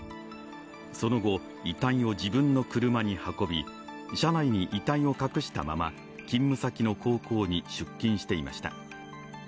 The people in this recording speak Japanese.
その後、遺体を自分の車に運び、車内に遺体を隠したまま勤務先の高校に出勤していました。